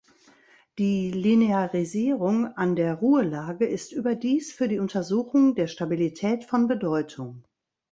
Die Linearisierung an der Ruhelage ist überdies für die Untersuchung der Stabilität von Bedeutung.